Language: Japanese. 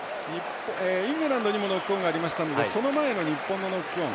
イングランドにもノックオンがありましたのでその前の日本のノックオン。